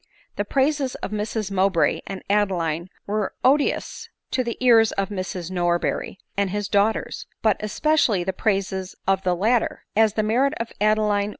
The praises of Mrs Mowbray and Adeline were odious to the ears of Mrs Norberry and his daughters — but es pecially the praises of the latter — as the merit of Adeline ^ ADELINE MOWBRAY.